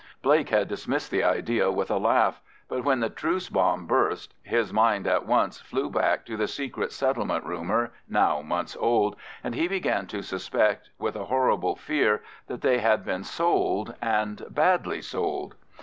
Blake had dismissed the idea with a laugh, but when the truce bomb burst his mind at once flew back to the secret settlement rumour, now months old, and he began to suspect with a horrible fear that they had been sold, and badly sold.